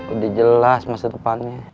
udah jelas masa depannya